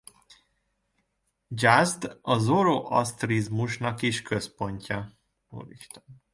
Jazd a zoroasztrizmusnak is központja.